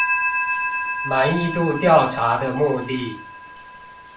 滿意度調查的目的